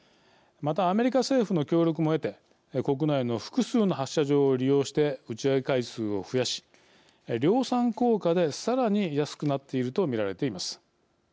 また、アメリカ政府の協力も得て国内の複数の発射場を利用して打ち上げ回数を増やし量産効果で、さらに安くなっていると見られています。